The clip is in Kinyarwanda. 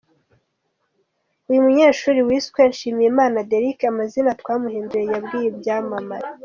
Uyu munyeshuri wiswe Nshimiyimana Derick amazina twamuhinduriye, yabwiye Ibyamamare.